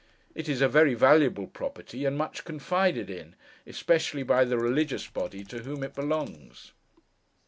It is a very valuable property, and much confided in—especially by the religious body to whom it belongs.